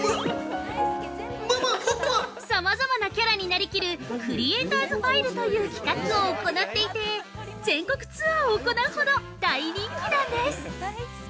◆さまざまなキャラになりきるクリエイターズファイルという企画を行っていて、全国ツアーを行うほど大人気なんです。